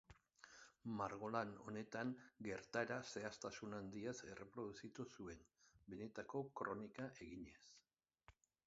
Margolan honetan gertaera zehaztasun handiaz erreproduzitu zuen, benetako kronika eginez.